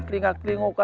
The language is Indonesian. telinga telinga kakak aja